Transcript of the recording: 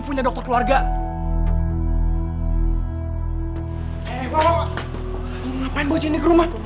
putri dikit lagi